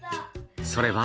それは。